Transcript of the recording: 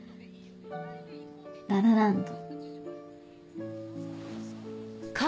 『ラ・ラ・ランド』。